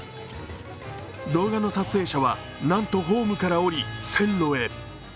動画の撮影者はなんとホームから降り、線路へ。